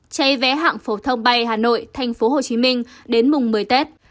chạy vé hạng phổ thông bay hà nội tp hcm đến mùng một mươi tết